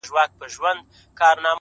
o او راته وايي دغه ـ